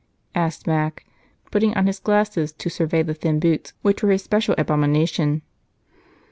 asked Mac, putting on his glasses to survey the thin boots which were his especial abomination.